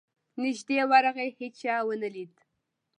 نیژدې ورغی هېچا ونه لید.